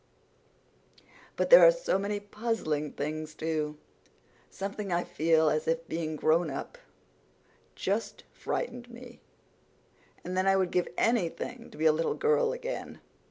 "But there are so many puzzling things, too. Sometimes I feel as if being grown up just frightened me—and then I would give anything to be a little girl again."